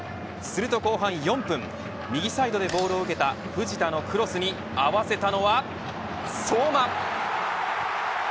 すると後半４分右サイドでボールを受けた藤田のクロスに合わせたのは相馬。